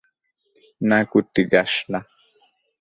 না, কুট্টি, যাস না।